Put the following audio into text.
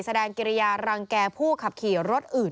แสดงเกรียร์รังแก่ผู้ขับขี่รถอื่น